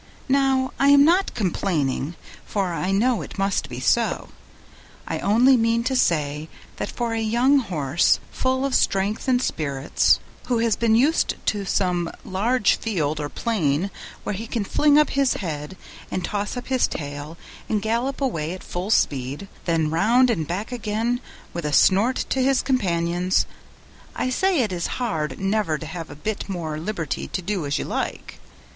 Now, I am not complaining, for I know it must be so. I only mean to say that for a young horse full of strength and spirits, who has been used to some large field or plain where he can fling up his head and toss up his tail and gallop away at full speed, then round and back again with a snort to his companions I say it is hard never to have a bit more liberty to do as you like.